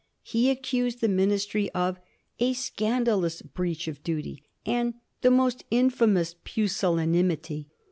He accused the Ministry of "a scandalous breach of duty "and "the most infamous pusillanimity."